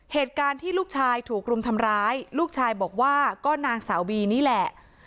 เหตุการณ์ที่ลูกชายถูกรุมทำร้ายลูกชายบอกว่าก็นางสาวบีนี่แหละ